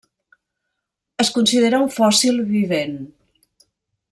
Es considera un fòssil vivent.